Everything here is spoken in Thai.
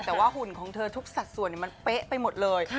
แต่ว่าหุ่นของเธอทุกสัดส่วนมันเป๊ะไปหมดเลย